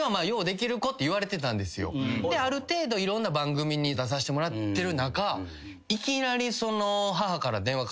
ある程度いろんな番組に出させてもらってる中いきなり。